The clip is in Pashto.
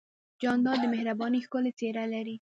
جانداد د مهربانۍ ښکلی څېرہ لري.